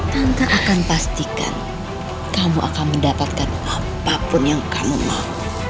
nanti akan pastikan kamu akan mendapatkan apapun yang kamu mau